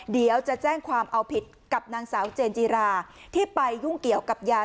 เดี๋ยวจะแจ้งความเอาผิดกับนางสาวเจนจิราที่ไปยุ่งเกี่ยวกับยา